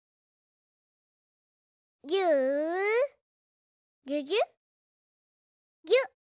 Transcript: ぎゅぎゅぎゅっぎゅ。